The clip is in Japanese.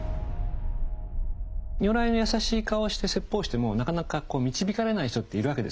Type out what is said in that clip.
如来の優しい顔をして説法をしてもなかなか導かれない人っているわけですよね。